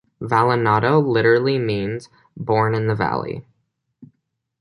"Vallenato" literally means "born in the valley".